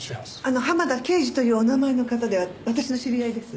浜田啓司というお名前の方で私の知り合いです。